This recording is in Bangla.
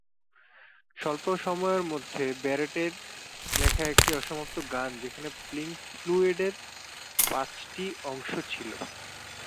স্বল্প সময়ের মধ্যে ব্যারেটের লেখা একটি অসমাপ্ত গান যেখানে পিংক ফ্লয়েডের পাঁচটি অংশ ছিল।